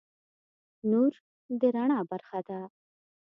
نور د رڼا برخه ده.